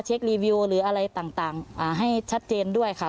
รีวิวหรืออะไรต่างให้ชัดเจนด้วยค่ะ